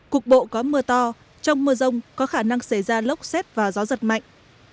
cục bộ có mưa to trong mưa rông có khả năng xảy ra lốc xét và gió giật mạnh